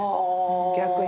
逆に。